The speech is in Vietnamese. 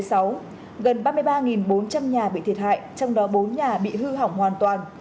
gần ba mươi ba bốn trăm linh nhà bị thiệt hại trong đó bốn nhà bị hư hỏng hoàn toàn